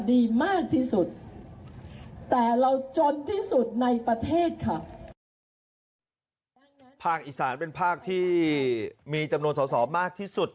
ภาคอีสานเป็นภาคที่มีจำนวนสอสอทมากที่สุด